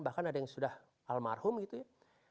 bahkan ada yang sudah almarhum gitu ya